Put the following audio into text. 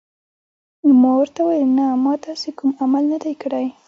ما ورته وویل: نه، ما داسې کوم عمل نه دی کړی.